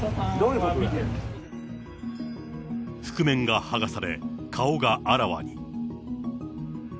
覆面が剥がされ、顔があらわに。